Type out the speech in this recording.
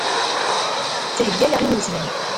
Ttheggayeɣ imensi.